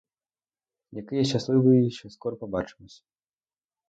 Який я щасливий, що скоро побачимось.